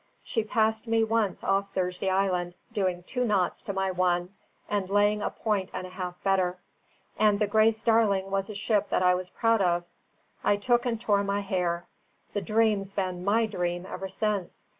She passed me once off Thursday Island, doing two knots to my one and laying a point and a half better; and the Grace Darling was a ship that I was proud of. I took and tore my hair. The Dream's been MY dream ever since.